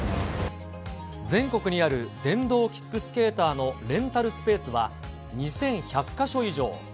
全国にある電動キックスケーターのレンタルスペースは、２１００か所以上。